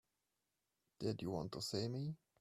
Did you want to see me?